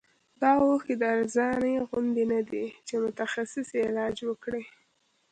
د اوښکو د ارزانۍ غوندې نه دی چې متخصص یې علاج وکړي.